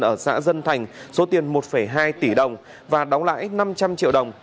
ở xã dân thành số tiền một hai tỷ đồng và đóng lãi năm trăm linh triệu đồng